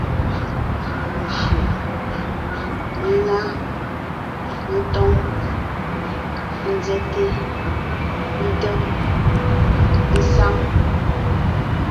Fʉʼ: ńná, ńtóŋ, ńzɛ́te, ńtó, ésáŋ.